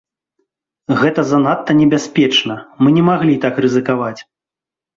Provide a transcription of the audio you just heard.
Гэта занадта небяспечна, мы не маглі так рызыкаваць!